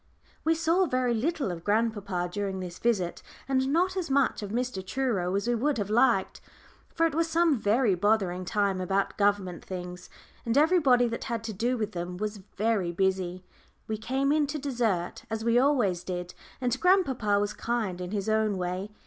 We saw very little of grandpapa during this visit, and not as much of Mr. Truro as we would have liked. For it was some very bothering time about government things, and everybody that had to do with them was very busy. We came in to dessert, as we always did, and grandpapa was kind in his own way.